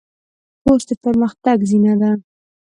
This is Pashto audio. کورس د پرمختګ زینه ده.